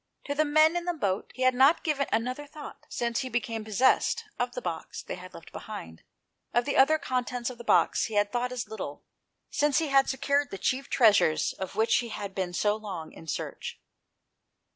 To the men in the boat he had not given another thought, since he became possessed of the box they had left behind ; of the other contents of the box he had thought as little, since he had secured the chief treasures of which he had been so long in search.